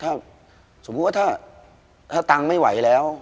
ถ้าเมื่อกรุณาไม่ไหวแล้ว